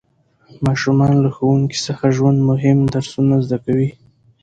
ماشومان له ښوونکي څخه د ژوند مهم درسونه زده کوي